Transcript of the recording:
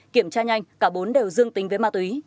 kiểm tra nhanh cả bốn đều dương tính với ma túy